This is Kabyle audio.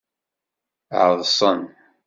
Ɛeḍsen.